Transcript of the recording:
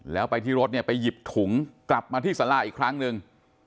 แล้วไปที่รถไปหยิบถุงกลับมาที่สลาอีกครั้งนึง